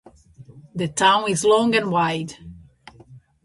The town is long and wide.